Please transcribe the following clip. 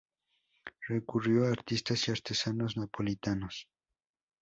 Recurrió a artistas y artesanos napolitanos.